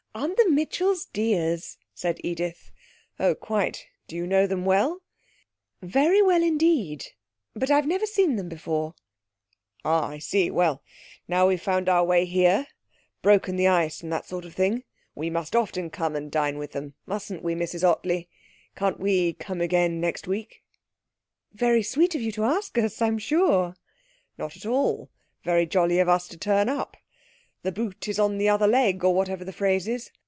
'Aren't the Mitchells dears?' said Edith. 'Oh, quite. Do you know them well?' 'Very well, indeed. But I've never seen them before.' 'Ah, I see. Well, now we've found our way here broken the ice and that sort of thing we must often come and dine with them, mustn't we, Mrs Ottley? Can't we come again next week?' 'Very sweet of you to ask us, I'm sure.' 'Not at all; very jolly of us to turn up. The boot is on the other leg, or whatever the phrase is.